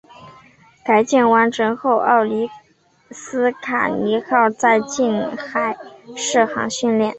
改建完成后奥里斯卡尼号在近海试航训练。